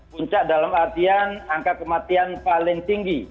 puncak dalam artian angka kematian paling tinggi